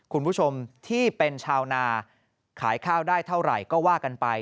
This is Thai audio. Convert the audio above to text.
คุณผู้ชมที่เป็นชาวนาขายข้าวได้เท่าไหร่ก็ว่ากันไป